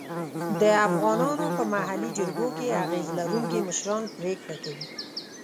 د افغانانو په محلي جرګو کې اغېز لرونکي مشران پرېکړه کوي.